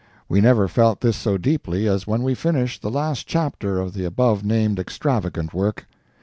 We never felt this so deeply as when we finished the last chapter of the above named extravagant work.